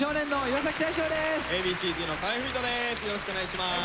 よろしくお願いします。